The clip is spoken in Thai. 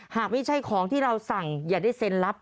หากไม่ใช่ของที่เราสั่งอย่าได้เซ็นรับ